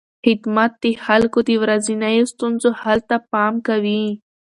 خدمت د خلکو د ورځنیو ستونزو حل ته پام کوي.